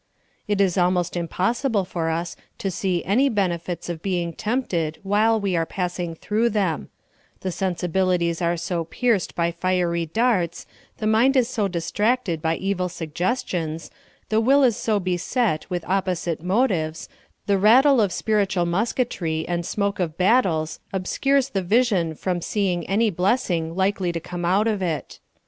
It is almost impossible for us to see any benefits of being tempted while we are passing through them ; the sensibilities are so pierced by fiery darts, the mind is so distracted by evil suggestions, the will is so beset with opposite motives, the rattle of spiritual musketry and smoke of battles obscures the vision from seeing any blessing likely to come out of it.